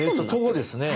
徒歩ですね。